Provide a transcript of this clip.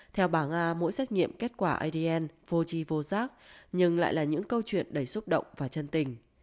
theo bà nga mỗi xét nghiệm kết quả adn foji vô giác nhưng lại là những câu chuyện đầy xúc động và chân tình